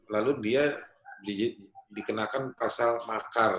lalu dia dikenakan pasal makar